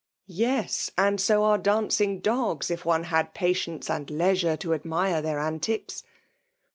" Yes !— And so are dancing dogs, if one had patience and leisure to admire their antics."